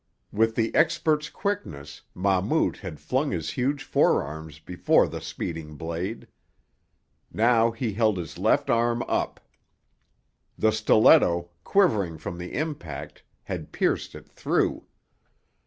With the expert's quickness Mahmout had flung his huge forearms before the speeding blade. Now he held his left arm up. The stiletto, quivering from the impact, had pierced it through.